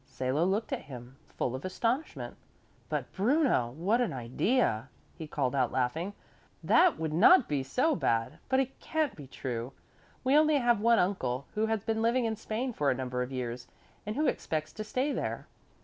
Salo looked at him, full of astonishment. "But Bruno, what an idea!" he called out laughing. "That would not be so bad, but it can't be true. We only have one uncle, who has been living in Spain for a number of years and who expects to stay there."